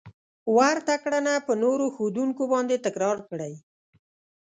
ورته کړنه په نورو ښودونکو باندې تکرار کړئ.